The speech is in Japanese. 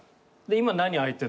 今何あいてんの？